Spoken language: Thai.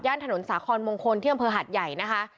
ย่านถนนสาขอนมงคลเที่ยวอำเภอหัดใหญ่นะคะ